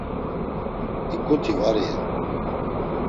Hik̆uti var iyen.